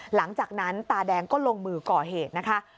หลังจากนั้นตาแดงก็ลงมือก่อเหตุนะคะ